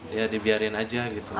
iya dibiarin aja gitu